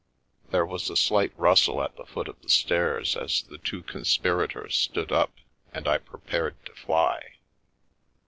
There was a slight rustle at the foot of the stairs the two conspirators stood up, and I prepared to fly.